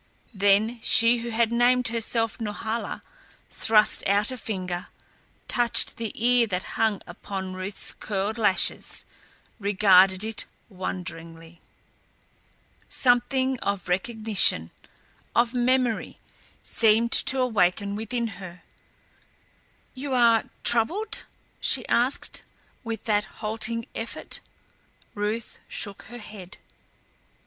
Then she who had named herself Norhala thrust out a finger, touched the tear that hung upon Ruth's curled lashes, regarded it wonderingly. Something of recognition, of memory, seemed to awaken within her. "You are troubled?" she asked with that halting effort. Ruth shook her head.